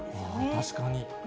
確かに。